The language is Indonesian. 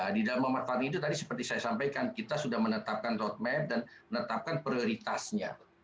di dalam memanfaatkan itu tadi seperti saya sampaikan kita sudah menetapkan roadmap dan menetapkan prioritasnya